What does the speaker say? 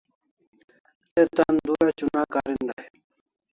Te tan dura chuna karin day